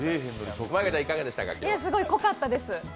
すごい濃かったです。